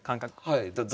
はい。